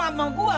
jangan maafin gue